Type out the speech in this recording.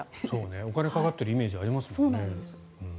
お金かかってるイメージありますもんね。